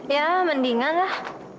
ya mendingan lah